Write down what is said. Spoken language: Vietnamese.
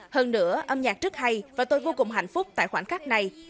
hơn nữa âm nhạc rất hay và tôi vô cùng hạnh phúc tại khoảnh khắc này